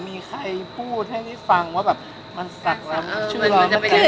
มีใครพูดให้นี่ฟังว่ามันสักแล้วชื่อหรอน